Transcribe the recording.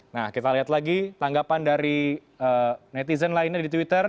nah kita lihat lagi tanggapan dari netizen lainnya di twitter